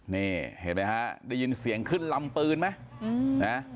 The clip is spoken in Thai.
นี่เห็นไหมฮะได้ยินเสียงขึ้นลำปืนไหมนะ